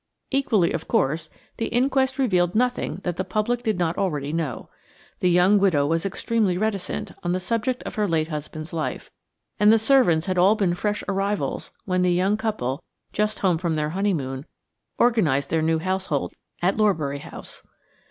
Equally, of course, the inquest revealed nothing that the public did not already know. The young widow was extremely reticent on the subject of her late husband's life, and the servants had all been fresh arrivals when the young couple, just home from their honeymoon, organised their new household at Lorbury House.